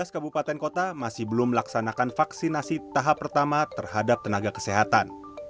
tujuh belas kabupaten kota masih belum melaksanakan vaksinasi tahap pertama terhadap tenaga kesehatan